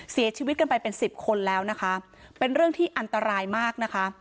เสียชีวิตกันไปเป็นสิบคนแล้วนะคะเป็นเรื่องที่อันตรายมากนะคะ